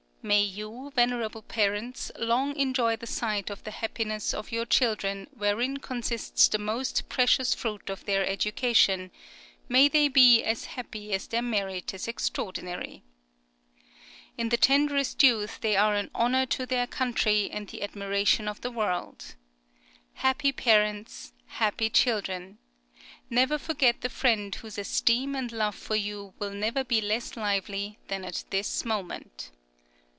May you, venerable parents, long enjoy the sight of the happiness of your children wherein consists the most precious fruit of their education; may they be as happy as their merit is extraordinary! In the tenderest youth {FIRST JOURNEY.} (48) they are an honour to their country and the admiration of the world. Happy parents! happy children! Never forget the friend whose esteem and love for you will never be less lively than at this moment.